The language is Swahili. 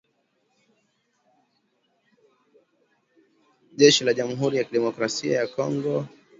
Jeshi la Jamuhuri ya kidemokrasia ya Kongo linasema limeua waasi kumi na moja wa Waasi washirika ya majeshi ya kidemokrasia